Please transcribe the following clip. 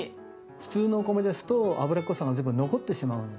普通のお米ですと脂っこさが全部残ってしまうので。